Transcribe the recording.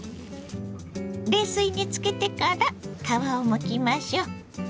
冷水につけてから皮をむきましょう。